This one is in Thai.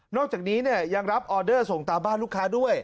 นอกจากนี้เนี่ยยังรับออเดอร์เข้าส่งตาบ้านลูกค้าด้วย